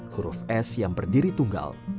huruf s yang berdiri tunggal